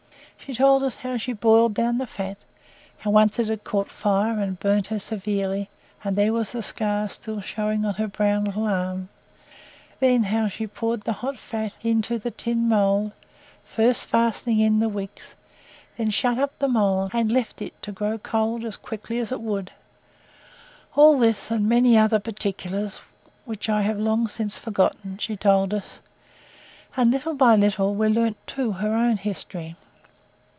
She told us how she boiled down the fat how once it had caught fire and burnt her severely, and there was the scar still showing on her brown little arm then how she poured the hot fat into, the tin mould, first fastening in the wicks, then shut up the mould and left it to grow cold as quickly as it would; all this, and many other particulars which I have long since forgotten, she told us; and little by little we learnt too her own history.